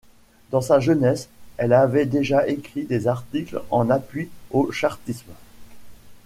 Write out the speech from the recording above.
Dans sa jeunesse, elle avait déjà écrit des articles en appui au chartisme.